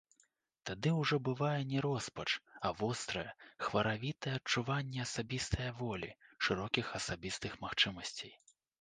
Тады ўжо бывае не роспач, а вострае, хваравітае адчуванне асабістае волі, шырокіх асабістых магчымасцей.